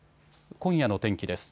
今夜の天気です。